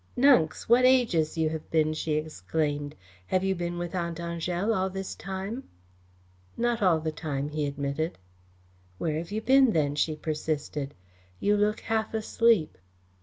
"Nunks, what ages you have been!" she exclaimed. "Have you been with Aunt Angèle all this time?" "Not all the time," he admitted. "Where have you been then?" she persisted. "You look half asleep."